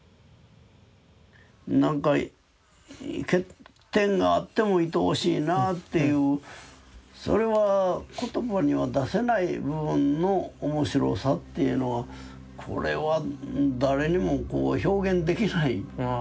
なんか欠点があってもいとおしいなっていうそれは言葉には出せない部分の面白さっていうのはこれは誰にも表現できないややっこしいもんやと思うんです。